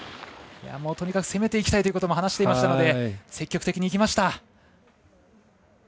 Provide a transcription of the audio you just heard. とにかく攻めていきたいということも話していましたので積極的にいきました。